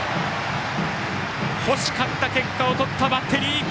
欲しかった結果をとったバッテリー！